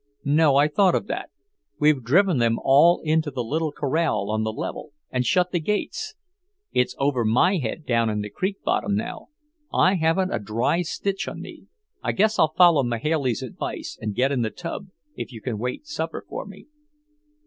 "No, I thought of that. We've driven them all into the little corral on the level, and shut the gates. It's over my head down in the creek bottom now. I haven't a dry stitch on me. I guess I'll follow Mahailey's advice and get in the tub, if you can wait supper for me."